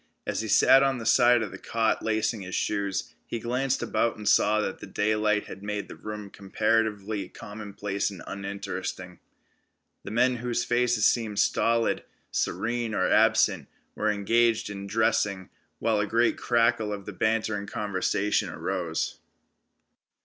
As he sat on the side of the cot lacing his shoes, he glanced about and saw that daylight had made the room comparatively commonplace and uninteresting. The men, whose faces seemed stolid, serene or absent, were engaged in dressing, while a great crackle of bantering conversation arose.